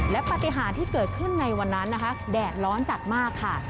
และปฏิหารที่เกิดขึ้นในวันนั้นนะคะแดดร้อนจัดมากค่ะ